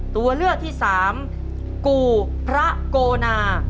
ตัวเลือกที่สามกู่พระโกนา